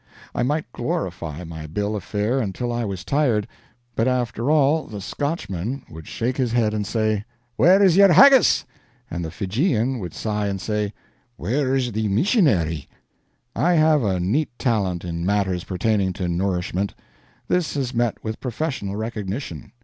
I might glorify my bill of fare until I was tired; but after all, the Scotchman would shake his head and say, "Where's your haggis?" and the Fijian would sigh and say, "Where's your missionary?" I have a neat talent in matters pertaining to nourishment. This has met with professional recognition.